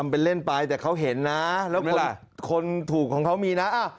เป็นเล่นไปแต่เขาเห็นนะแล้วคนถูกของเขามีนะ